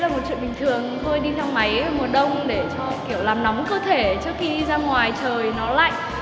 mọi người đi thang máy mùa đông để làm nóng cơ thể trước khi ra ngoài trời nó lạnh